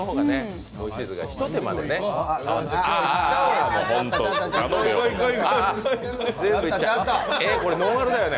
ひと手間でね。